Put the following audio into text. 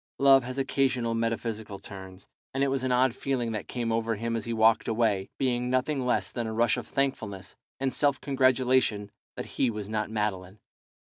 Love has occasional metaphysical turns, and it was an odd feeling that came over him as he walked away, being nothing less than a rush of thankfulness and self congratulation that he was not Madeline.